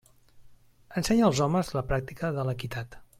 Ensenya als homes la pràctica de l'equitat.